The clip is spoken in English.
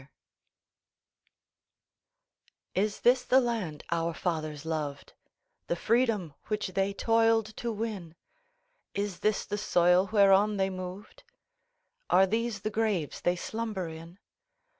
] IS this the land our fathers loved, The freedom which they toiled to win? Is this the soil whereon they moved? Are these the graves they slumber in?